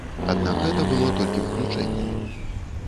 Аднак гэта было толькі выключэннем.